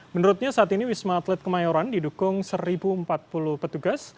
menurutnya saat ini wisma atlet kemayoran didukung seribu empat puluh petugas